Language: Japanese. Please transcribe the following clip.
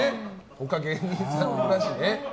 他は芸人さんだしね。